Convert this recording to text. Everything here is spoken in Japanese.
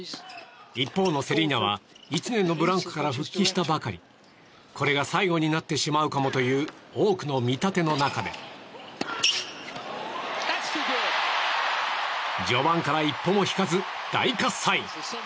一方のセリーナは１年のブランクから復帰したばかりこれが最後になってしまうかもという多くの見立ての中で序盤から一歩も引かず大喝采！